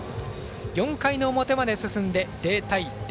４回の表まで進んで、０対０。